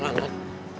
lan lan lan